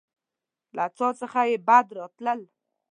له څاه څخه يې بد راتلل.